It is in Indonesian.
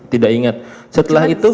tidak ingat setelah itu